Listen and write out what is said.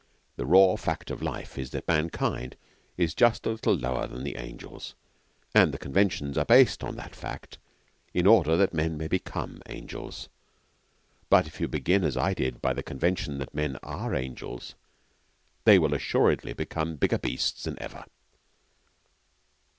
The raw fact of life is that mankind is just a little lower than the angels, and the conventions are based on that fact in order that men may become angels. But if you begin, as I did, by the convention that men are angels they will assuredly become bigger beasts than ever.'